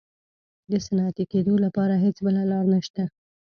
د صنعتي کېدو لپاره هېڅ بله لار نشته.